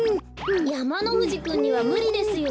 やまのふじくんにはむりですよ。